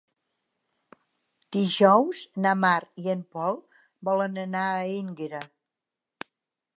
Dijous na Mar i en Pol volen anar a Énguera.